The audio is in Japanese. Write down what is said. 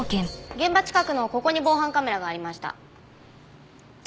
現場近くのここに防犯カメラがありました。